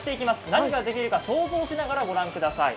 何ができるか想像しながら御覧ください。